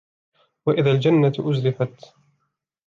وإذا الجنة أزلفت